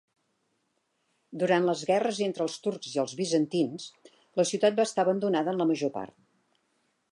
Durant les guerres entre els turcs i els bizantins, la cuitat va estar abandonada en la major part.